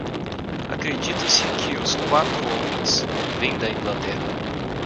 Acredita-se que os quatro homens vêm da Inglaterra.